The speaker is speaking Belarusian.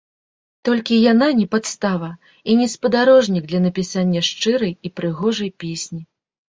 Толькі яна не падстава, і не спадарожнік для напісання шчырай і прыгожай песні.